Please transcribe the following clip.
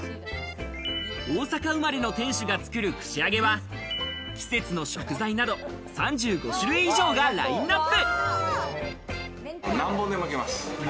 大阪生まれの店主が作る串揚げは、季節の食材など３５種類以上がラインナップ。